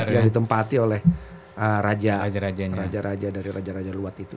yang ditempati oleh raja raja dari raja raja luar itu